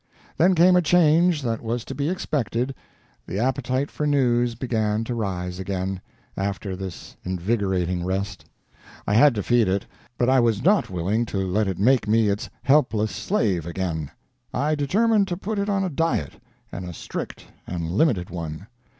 Then came a change that was to be expected: the appetite for news began to rise again, after this invigorating rest. I had to feed it, but I was not willing to let it make me its helpless slave again; I determined to put it on a diet, and a strict and limited one.